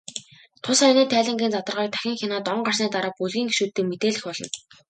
Тус аяны тайлангийн задаргааг дахин хянаад, он гарсны дараа бүлгийн гишүүддээ мэдээлэх болно.